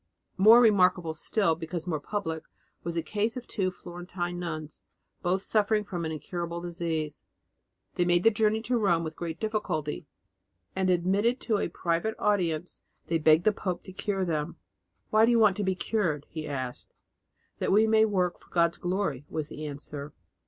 More remarkable still because more public was the case of two Florentine nuns, both suffering from an incurable disease. They made the journey to Rome with great difficulty, and admitted to a private audience, they begged the pope to cure them. "Why do you want to be cured?" he asked. "That we may work for God's glory," was the answer.